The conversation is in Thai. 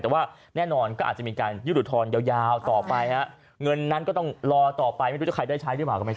แต่ว่าแน่นอนก็อาจจะมีการยื่นอุทธรณ์ยาวต่อไปฮะเงินนั้นก็ต้องรอต่อไปไม่รู้จะใครได้ใช้หรือเปล่าก็ไม่ทราบ